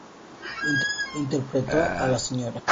Interpretó a la sra.